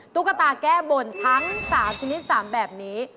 ตุ๊กตาแก้บนทั้ง๓ชนิด๓แบบนี้